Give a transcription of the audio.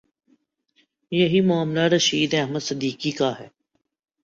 یہی معاملہ رشید احمد صدیقی کا ہے۔